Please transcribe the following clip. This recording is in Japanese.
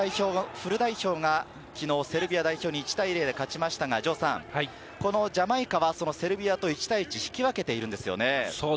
フル代表が昨日、セルビア代表に１対０で勝ちましたが、このジャマイカは、そのセルビアと１対１、引き分けているんですよね。